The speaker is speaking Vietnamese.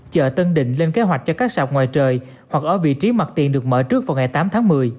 chợ tân định lên kế hoạch cho các sạp ngoài trời hoặc ở vị trí mặt tiền được mở trước vào ngày tám tháng một mươi